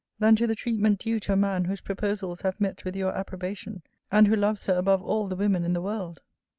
] than to the treatment due to a man whose proposals have met with your approbation, and who loves her above all the women in the world!